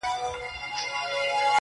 د احمق نوم يې پر ځان نه سو منلاى.!